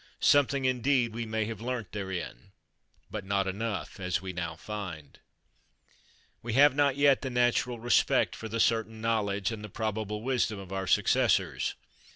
Something, indeed, we may have learnt therein, but not enough, as we now find. We have not yet the natural respect for the certain knowledge and the probable wisdom of our successors.